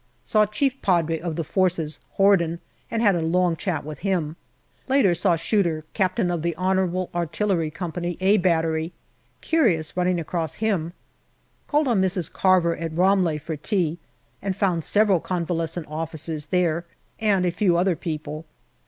Saw Chief Padre of the Forces, Horden, and had a long chat with him. Later saw Shuter, Captain of the H.A.C. " A " Battery. Curious running across him. Called on Mrs. Carver at Ramleh for tea, and found several convalescent officers there and a few other people.